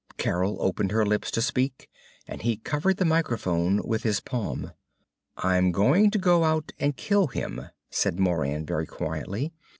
Carol opened her lips to speak, and he covered the microphone with his palm. "I'm going to go out and kill him," said Moran very quietly.